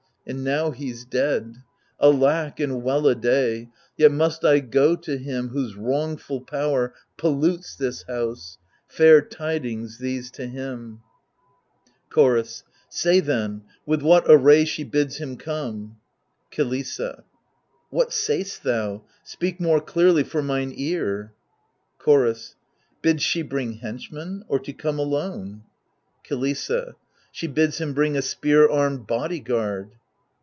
And now he's dead — ^alack and well a day 1 Yet must I go to him whose wrongful power Pollutes this house — fair tidings these to him 1 Chorus Say then, with what array she bids him come ? KiLISSA What say'st thou ! Speak more clearly for mine ear. Chorus Bids she bring henchmen, or to come alone ? THE LIBATION BEARERS 117 KiLISSA She bids him bring a spear aimed body guard.